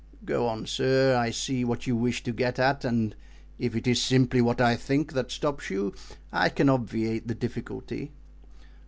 "Go on, sir, I see what you wish to get at; and if it is simply what I think that stops you, I can obviate the difficulty."